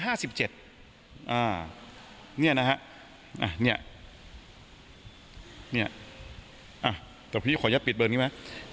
อ่าเนี่ยนะฮะอ่ะเนี่ยเนี่ยอ่ะแต่พี่ขอยับปิดเบิร์นนี้ไหม